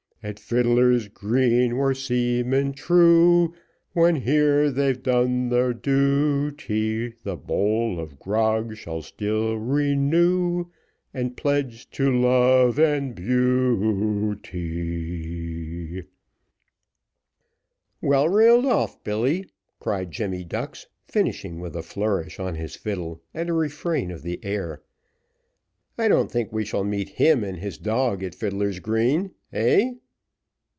At Fidler's Green, where seamen true, When here they've done their duty, The bowl of grog shall still renew, And pledge to love and beauty. "Well reeled off, Billy," cried Jemmy Ducks, finishing with a flourish on his fiddle, and a refrain of the air. I don't think we shall meet him and his dog at Fidler's Green heh!"